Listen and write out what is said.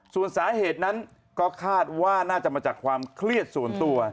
ส่วนสาเหตุนั้นก็คาดว่าน่าจะมาจากความเครียดส่วนตัว